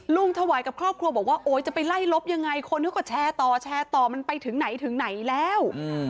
ถวายกับครอบครัวบอกว่าโอ๊ยจะไปไล่ลบยังไงคนเขาก็แชร์ต่อแชร์ต่อมันไปถึงไหนถึงไหนแล้ว